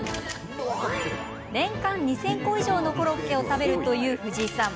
年間２０００個以上のコロッケを食べるという藤井さん。